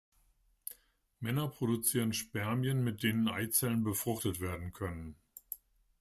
Männer produzieren Spermien, mit denen Eizellen befruchtet werden können.